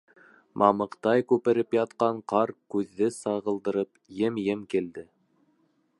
Мамыҡтай күпереп ятҡан ҡар, күҙҙе сағылдырып, ем-ем килде.